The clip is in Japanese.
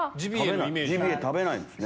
ジビエ食べないんすね。